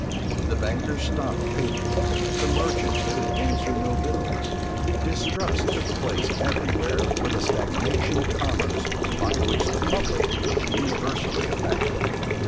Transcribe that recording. The bankers stopped payment; the merchants could answer no bills; distrust took place every where, with a stagnation of commerce, by which the public was universally affected.